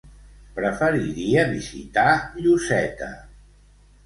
Preferiria visitar Lloseta.